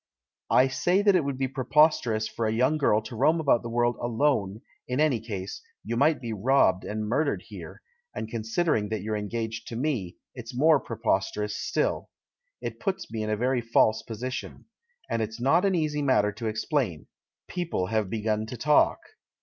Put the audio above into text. "I say that it would be preposterous for a young girl to roam about the world alone, in any case — you might be robbed and murdered here — and considering that you're engaged to me, it's more preposterous still. It puts me in a very false position. And it's not an easy matter to explain. People have begun to talk."